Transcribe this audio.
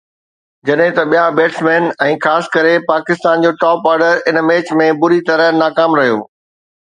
جڏهن ته ٻيا بيٽسمين ۽ خاص ڪري پاڪستان جو ٽاپ آرڊر ان ميچ ۾ بُري طرح ناڪام رهيو